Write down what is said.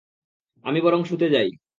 আমি বরং শুতে যাই।